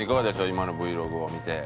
今のＶｌｏｇを見て。